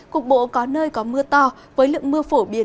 cục bộ có nơi có mưa to với lượng mưa phổ biến